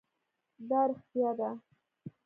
دا رښتیا ده